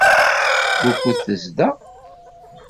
Wukud tezdeɣ?